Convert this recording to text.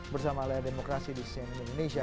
bersama layar demokrasi di sisi anonim indonesia